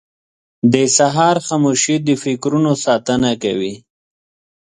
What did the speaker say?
• د سهار خاموشي د فکرونو ساتنه کوي.